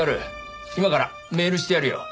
今からメールしてやるよ。